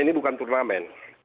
ini bukan turnamen